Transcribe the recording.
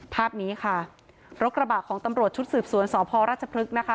ภาพนี้ค่ะรถกระบะของตำรวจชุดสืบสวนสพราชพฤกษ์นะคะ